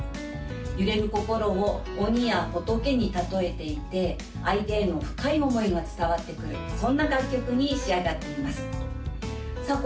揺れる心を鬼や仏に例えていて相手への深い思いが伝わってくるそんな楽曲に仕上がっていますさあ